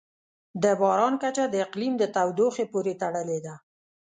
د باران کچه د اقلیم د تودوخې پورې تړلې ده.